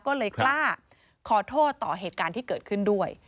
ก็เลยกล้าขอโทษต่อเหตุการณ์ที่เกิดขึ้นด้วย